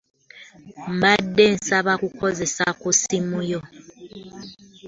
Mbadde nsaba kukozesa ku simu yo.